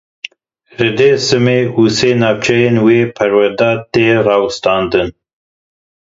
Li Dêrsim û sê navçeyên wê perwerde tê rawestandin.